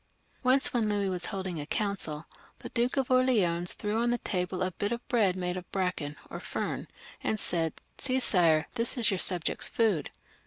Once when Louis was holding a council, the Duke of Orleans threw on to the table a bit of bread made of bracken or fern, and said :" See, Sire, this is your subjects' food."